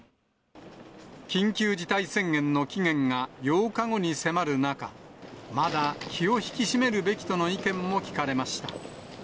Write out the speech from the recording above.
緊急事態宣言の期限が８日後に迫る中、まだ気を引き締めるべきとの意見も聞かれました。